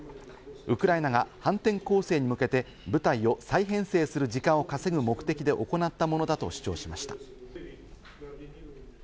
ウクライナが反転攻勢に向けて部隊を再編成する時間を稼ぐ目的で行ったものだと主張しました。